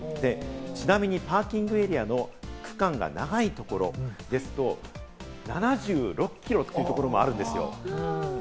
ちなみにパーキングエリアの区間が長いところ、７６キロというところもあるんですよ。